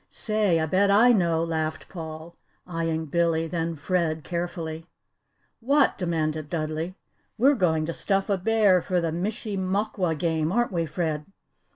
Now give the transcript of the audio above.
"Say I bet I know!" laughed Paul, eyeing Billy, then Fred carefully. "What?" demanded Dudley. "We're going to stuff a bear for the Mishi mokwa game, aren't we, Fred?"